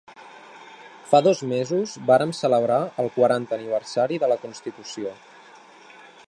Fa dos mesos vàrem celebrar el quaranta aniversari de la constitució.